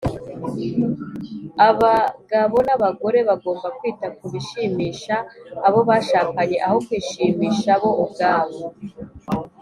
Abagabo n abagore bagomba kwita ku bishimisha abo bashakanye aho kwishimisha bo ubwabo